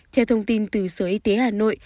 theo thông tin từ sở y tế hà nội